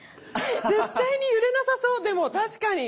絶対に揺れなさそうでも確かに。